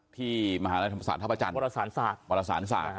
ที่มหาลัยธรรมศาสตร์ท่าประจันประสานศาสตร์